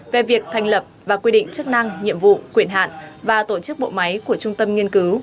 về việc thành lập và quy định chức năng nhiệm vụ quyền hạn và tổ chức bộ máy của trung tâm nghiên cứu